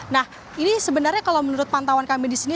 nah ini sebenarnya kalau menurut pantauan kami di sini